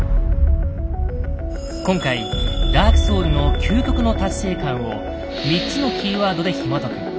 今回「ＤＡＲＫＳＯＵＬＳ」の「究極の達成感」を３つのキーワードでひもとく。